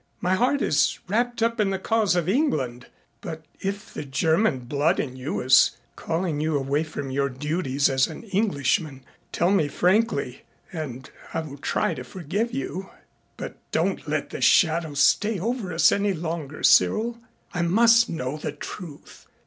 My heart is wrapped up in the cause of England, but if the German blood in you is calling you away from your duties as an Englishman, tell me frankly and I will try to forgive you, but don't let the shadow stay over us any longer, Cyril. I must know the truth.